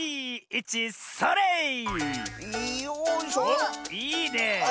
おっいいね。